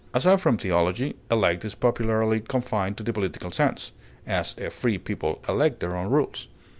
Aside from theology, elect is popularly confined to the political sense; as, a free people elect their own rulers.